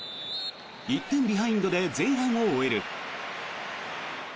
１点ビハインドで前半を終える。